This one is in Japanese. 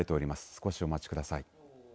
少しお待ちください。